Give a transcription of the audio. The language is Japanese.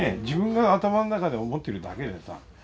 自分が頭の中で思ってるだけでさ